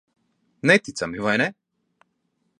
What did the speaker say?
Neticami, vai ne?